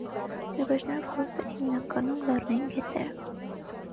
Ջրվեժներով հարուստ են հիմնականում լեռնային գետերը։